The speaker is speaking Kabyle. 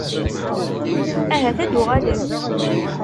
Ahat ad d-uɣalen?